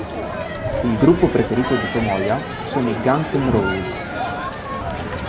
Il gruppo preferito di Tomoya sono i Guns N' Roses.